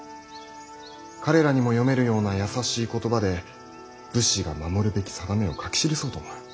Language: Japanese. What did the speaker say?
彼らにも読めるような易しい言葉で武士が守るべき定めを書き記そうと思う。